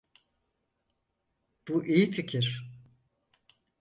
Bu iyi fikir.